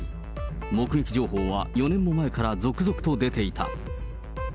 目撃情報は４年も前から続々と出ていた。